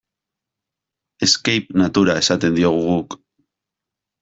Escape-natura esaten diogu guk.